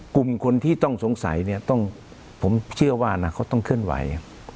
กลุ่มคนที่ต้องสงสัยเนี่ยต้องผมเชื่อว่าอนาคตต้องเคลื่อนไหว